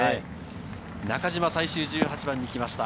中島が最終１８番に来ました。